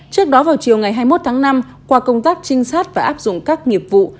trước đó vào chiều ngày hai mươi một tháng năm qua công tác trinh sát và áp dụng các nghiệp vụ